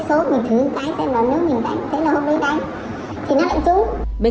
cho cho số là đúng vì mình nộp quá nhiều tiền ra đó rồi và nó lại đúng xong hôm sau nó lại cho chết